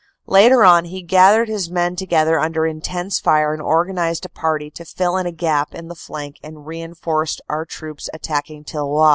Later on, he gathered his men together under intense fire and organized a party to fill in a gap in the flank and reinforce our troops attacking Tilloy.